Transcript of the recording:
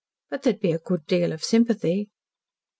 But there'd be a good deal of sympathy."